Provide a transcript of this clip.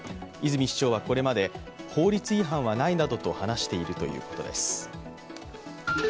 泉市長は、これまで法律違反はないなどと話しているということです。